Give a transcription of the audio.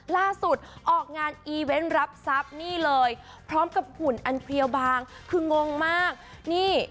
ล่าสุดออกงานอีเวนต์รับทรัพย์นี่เลยพร้อมกับหุ่นอันเพลียวบางคืองงมากนี่